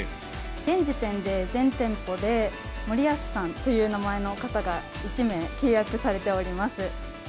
現時点で、全店舗で森保さんという名前の方が１名、契約されております。